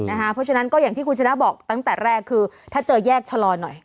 เพราะฉะนั้นก็อย่างที่คุณชนะบอกตั้งแต่แรกคือถ้าเจอแยกชะลอหน่อย